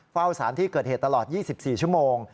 สารที่เกิดเหตุตลอด๒๔ชั่วโมง